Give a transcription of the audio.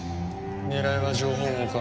狙いは情報網か。